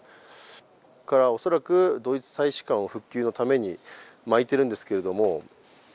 それからおそらくドイツ大使館を復旧のために巻いてるんですけれども。